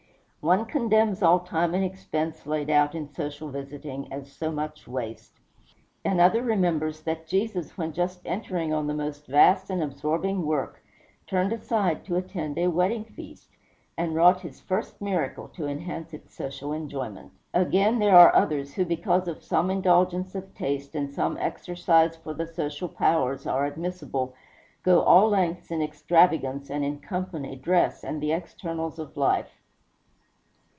One condemns all time and expense laid out in social visiting as so much waste. Another remembers that Jesus, when just entering on the most vast and absorbing work, turned aside to attend a wedding feast, and wrought his first miracle to enhance its social enjoyment. Again, there are others who, because some indulgence of taste and some exercise for the social powers are admissible, go all lengths in extravagance, and in company, dress, and the externals of life.